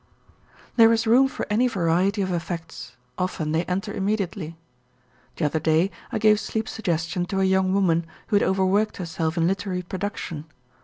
There is room for any variety of effects; often they enter immediately. The other day I gave sleep suggestion to a young woman who had overworked herself in literary production.